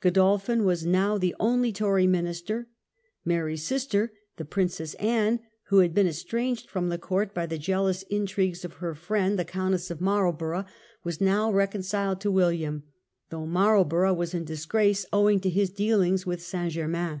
Godolphin was now the only Tory minister. Mary's sister, the Princess Anne, who had been estranged from the court by the jealous intrigues of her friend the fenwick's assassination plot. 109 Countess of Marlborough, was now reconciled to Wil liam; though Marlborough was in disgrace owing to his dealings with St. Germains.